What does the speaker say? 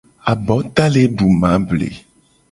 Abota le du mable.